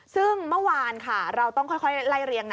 ซึ่งเมื่อวานค่ะเราต้องค่อยไล่เรียงนะ